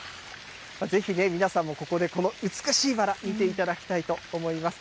ぜひね、皆さんもここで美しいバラ、見ていただきたいと思います。